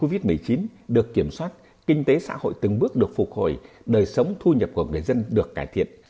từ giữa năm hai nghìn hai mươi hai dịch covid một mươi chín được kiểm soát kinh tế xã hội từng bước được phục hồi đời sống thu nhập của người dân được cải thiện